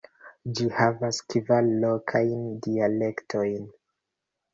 Ĝi havas kvar lokajn dialektojn.